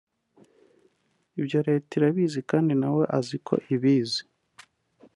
Ibyo Leta irabizi kandi nawe aziko ibizi